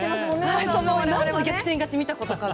何度も逆転勝ちを見たことか。